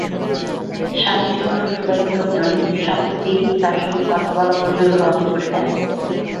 স্বামীসহ শ্বশুরবাড়ির লোকজন সম্প্রতি তাঁর সঙ্গে কথা বলা পর্যন্ত বন্ধ করে দেন।